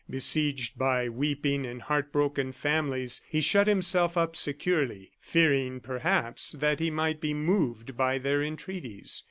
Besieged by weeping and heart broken families, he shut himself up securely, fearing, perhaps, that he might be moved by their entreaties.